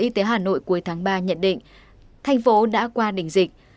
y tế hà nội cuối tháng ba nhận định thành phố đã qua đỉnh dịch